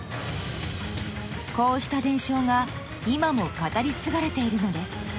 ［こうした伝承が今も語り継がれているのです］